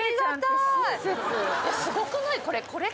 すごくない⁉これ。